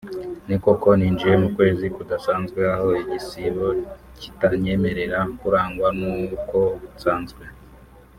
“Ni koko ninjiye mu kwezi kudasanzwe aho igisibo kitanyemerera kurangwa n’uko nsanzwe